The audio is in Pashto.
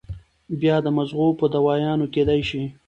بيا د مزغو پۀ دوايانو کېدے شي